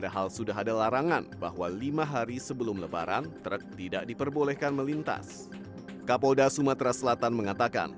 kapolda sumatera selatan mengatakan